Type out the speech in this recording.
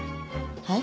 はい？